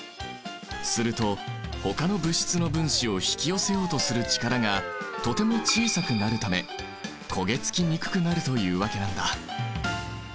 するとほかの物質の分子を引き寄せようとする力がとても小さくなるため焦げ付きにくくなるというわけなんだ。